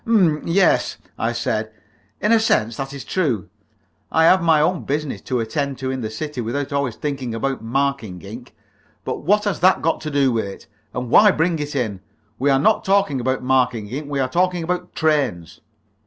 "'M, yes," I said. "In a sense that is true. I have my own business to attend to in the city without always thinking about marking ink. But what has that got to do with it? And why bring it in? We are not talking about marking ink; we are talking about trains!"